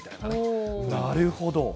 なるほど。